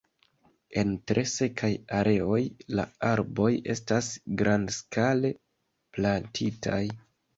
En tre sekaj areoj la arboj estas grandskale plantitaj.